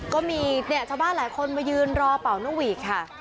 ก็มีเนี่ยชาวบ้านหลายคนมายืนรอเป่านกหวีกค่ะ